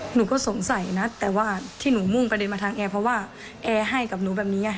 หนูก็สงสัยนะแต่ว่าที่หนูมุ่งประเด็นมาทางแอร์เพราะว่าแอร์ให้กับหนูแบบนี้